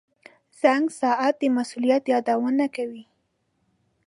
• زنګ ساعت د مسؤلیت یادونه کوي.